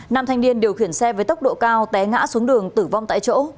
nam thanh niên điều khiển xe với tốc độ cao té ngã xuống đường tử vong tại chỗ